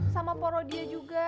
sama poro dia juga